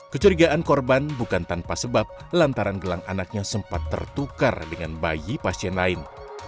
kecurigaan korban bukan tanpa sebab lantaran gelang anaknya sempat tertukar dengan bayi pasien lain